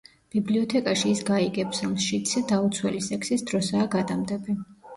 ბიბლიოთეკაში ის გაიგებს, რომ შიდსი დაუცველი სექსის დროსაა გადამდები.